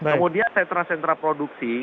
kemudian sentra sentra produksi